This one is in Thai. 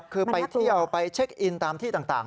คือไปเที่ยวไปเช็คอินตามที่ต่าง